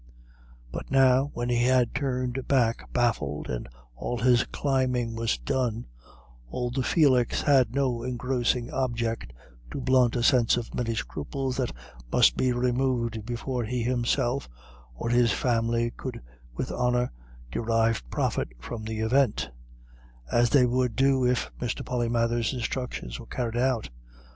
But now, when he had turned back baffled, and all his climbing was done, old Felix had no engrossing object to blunt a sense of many scruples that must be removed before he himself or his family could with honour derive profit from the event; as they would do if Mr. Polymathers's instructions were carried out.